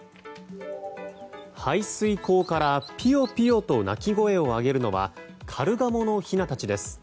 排水溝からピヨピヨと鳴き声を上げるのはカルガモのひなたちです。